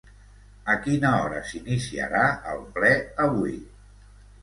A quina hora s'iniciarà el ple avui?